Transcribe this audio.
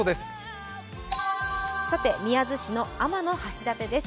宮津市の天橋立です。